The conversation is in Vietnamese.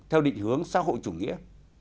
theo định hướng xã hội chủ nghĩa